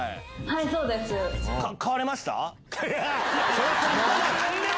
はいそうです。